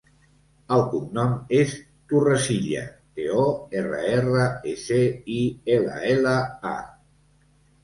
El cognom és Torrecilla: te, o, erra, erra, e, ce, i, ela, ela, a.